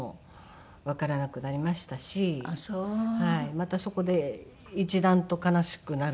またそこで一段と悲しくなるというか。